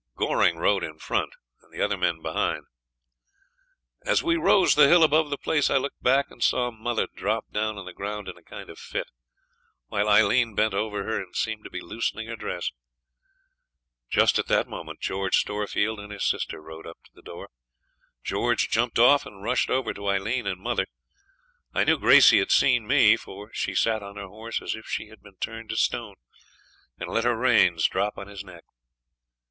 Goring rode in front and the other men behind. As we rose the hill above the place I looked back and saw mother drop down on the ground in a kind of fit, while Aileen bent over her and seemed to be loosening her dress. Just at that moment George Storefield and his sister rode up to the door. George jumped off and rushed over to Aileen and mother. I knew Gracey had seen me, for she sat on her horse as if she had been turned to stone, and let her reins drop on his neck.